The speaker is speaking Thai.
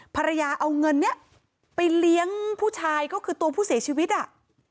ภรรยาเอาเงินเนี้ยไปเลี้ยงผู้ชายก็คือตัวผู้เสียชีวิตอ่ะ